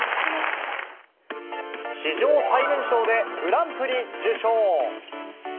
史上最年少で、グランプリ受賞。